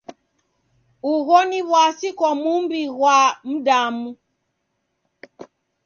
Ugho ni w'asi kwa muw'I ghwa mdamu.